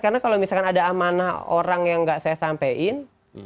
karena kalau misalkan ada amanah orang yang nggak saya sampein